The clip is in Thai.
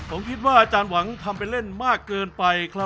ผมคิดว่าอาจารย์หวังทำไปเล่นมากเกินไปครับ